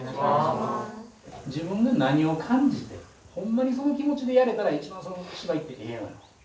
自分が何を感じてホンマにその気持ちでやれたら一番そのお芝居っていいやない。